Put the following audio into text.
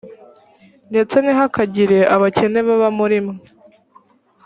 ndetse ntihakagire abakene baba muri mwe,